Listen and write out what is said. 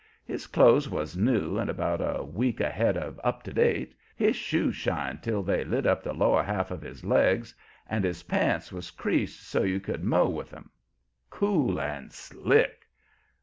His clothes was new and about a week ahead of up to date, his shoes shined till they lit up the lower half of his legs, and his pants was creased so's you could mow with 'em. Cool and slick!